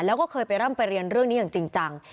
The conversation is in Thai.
แล้วก็เคยไปร่ำไปเรียนเรื่องนี้อย่างจริงจัง